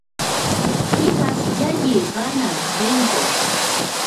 pipas llalliy ganar, vencer